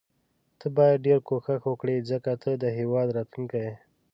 ته باید ډیر کوښښ وکړي ځکه ته د هیواد راتلوونکی یې.